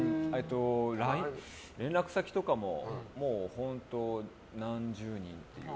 連絡先とかも何十人っていう。